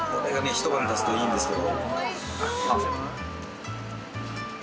ひと晩経つといいんですけど。